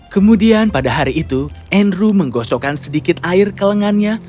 kemudian pada hari itu andrew menggosokkan sedikit air ke lengannya